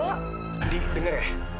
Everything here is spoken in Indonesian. andi denger ya